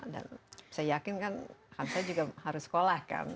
dan saya yakin kan kansa juga harus sekolah kan